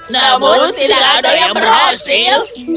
namun tidak ada yang berhasil